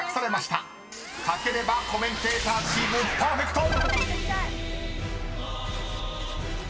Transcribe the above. ［書ければコメンテーターチームパーフェクト！］